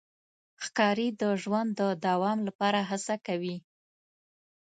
ښکاري د ژوند د دوام لپاره هڅه کوي.